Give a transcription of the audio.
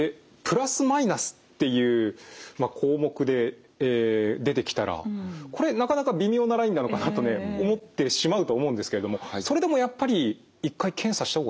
で±っていう項目で出てきたらこれなかなか微妙なラインなのかな？とね思ってしまうと思うんですけれどもそれでもやっぱり一回検査した方がいいですか？